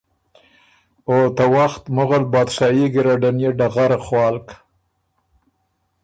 او ته وخت مغل بادشايي ګیرډن يې ډغره خوالک۔